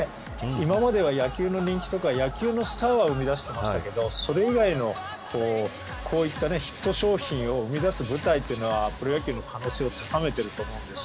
今までは野球の人気とか野球のスターは生み出してきましたがそれ以外のこういったヒット商品を生み出すこと自体がプロ野球の可能性を高めていると思います。